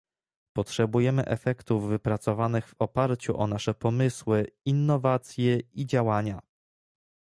Potrzebujemy efektów wypracowanych w oparciu o nasze pomysły, innowacje i działania